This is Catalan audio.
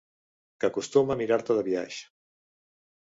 Que acostuma a mirar-te de biaix.